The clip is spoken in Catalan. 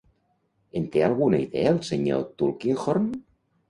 En té alguna idea el Sr. Tulkinghorn?